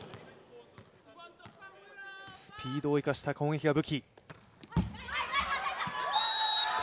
スピードを生かした攻撃が武器。